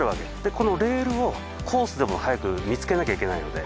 このレールをコースでも早く見つけなきゃいけないので。